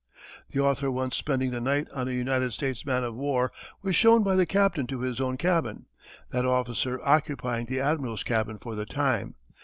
The author once spending the night on a United States man of war was shown by the captain to his own cabin, that officer occupying the admiral's cabin for the time.